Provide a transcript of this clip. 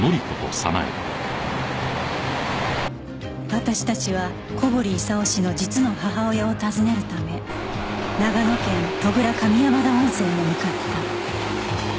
私たちは小堀功氏の実の母親を訪ねるため長野県戸倉上山田温泉へ向かった